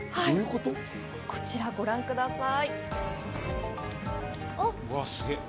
こちらをご覧ください。